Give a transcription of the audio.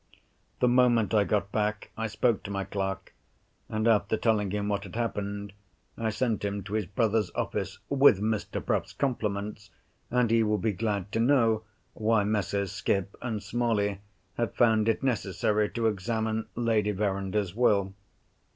The moment I got back I spoke to my clerk; and, after telling him what had happened, I sent him to his brother's office, "with Mr. Bruff's compliments, and he would be glad to know why Messrs. Skipp and Smalley had found it necessary to examine Lady Verinder's will."